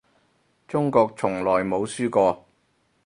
中國從來冇輸過